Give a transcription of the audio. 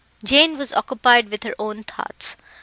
Jane was occupied with her own thoughts.